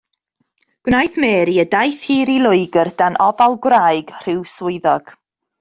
Gwnaeth Mary y daith hir i Loegr dan ofal gwraig rhyw swyddog.